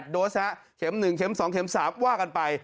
๕๑๘๑๑๘โดสนะเข็ม๑เข็ม๒เข็ม๓ว่ากันไป